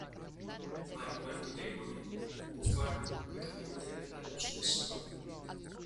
Ma in quanto demone, non può farlo pubblicamente alla luce del sole.